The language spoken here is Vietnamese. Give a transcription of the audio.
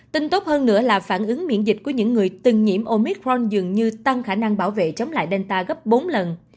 tin tốt hơn nữa là phản ứng miễn dịch của những người từng nhiễm omitron dường như tăng khả năng bảo vệ chống lại delta gấp bốn lần